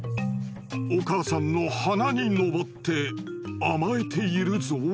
お母さんの鼻に登って甘えているぞ。